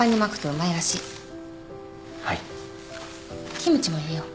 キムチも入れよう。